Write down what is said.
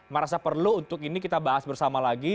merasa perlu untuk ini kita bahas bersama lagi